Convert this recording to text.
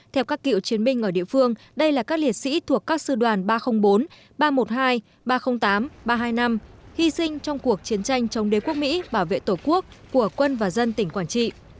theo các cựu chiến binh ở địa phương đây là các liệt sĩ thuộc các sư đoàn ba trăm linh bốn ba trăm một mươi hai ba trăm linh tám ba trăm hai mươi năm hy sinh trong cuộc chiến tranh chống đế quốc mỹ bảo vệ tổ quốc của quân và dân tỉnh quảng trị